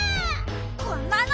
こんなの！